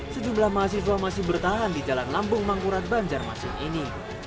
sejumlah mahasiswa masih bertahan di jalan lambung mangkurat banjarmasin ini